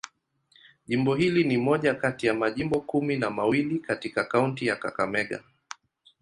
Jimbo hili ni moja kati ya majimbo kumi na mawili katika kaunti ya Kakamega.